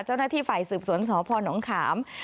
เจ้าหน้าที่ฝ่ายสืบสวนสพนขาม